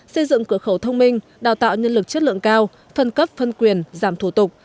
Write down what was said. xây dựng cửa khẩu thông minh đào tạo nhân lực chất lượng cao phân cấp phân quyền giảm thủ tục